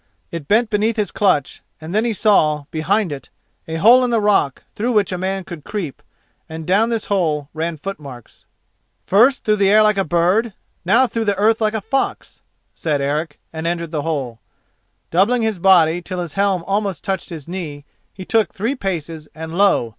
It bent beneath his clutch, and then he saw, behind it, a hole in the rock through which a man could creep, and down this hole ran footmarks. "First through air like a bird; now through earth like a fox," said Eric and entered the hole. Doubling his body till his helm almost touched his knee he took three paces and lo!